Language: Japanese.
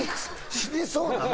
死にそうなん？